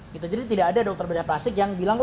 gitu jadi tidak ada dokter bedah plastik yang bilang kok